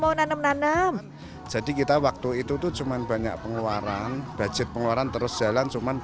mau nafkanam jadi kita waktu itu cuman banyak pengeluaran budget pengeluaran terus jalan cuman